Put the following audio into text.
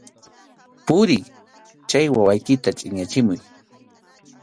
¡Puriy, chay wawaykita chʼinyachimuy!